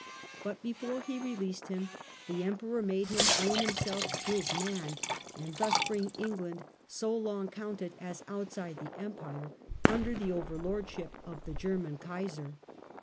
But before he re leased him the emperor made him own himself his *man \ and thus bring England, so long counted as outside the empire, under the overlordship of the German Caesar.